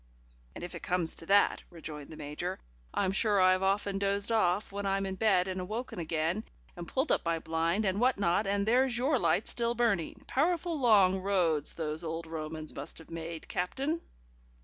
"And if it comes to that," rejoined the Major, "I'm sure I've often dozed off when I'm in bed and woken again, and pulled up my blind, and what not, and there's your light still burning. Powerful long roads those old Romans must have made, Captain."